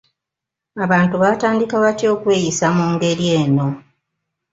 Abantu batandika batya okweyisa mu ngeri eno?